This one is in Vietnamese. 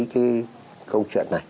cái công chuyện này